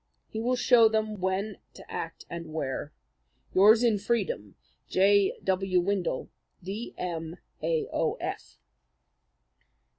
He will show them when to act and where. Yours in freedom, "J.W. WINDLE D.M.A.O.F."